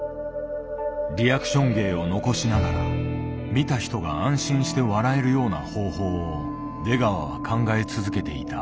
リアクション芸を残しながら見た人が安心して笑えるような方法を出川は考え続けていた。